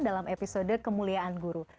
dalam episode kemuliaan guru